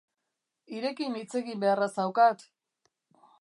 Hirekin hitz egin beharra zaukaat.